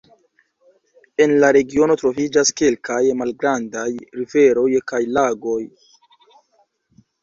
En la regiono troviĝas kelkaj malgrandaj riveroj kaj lagoj.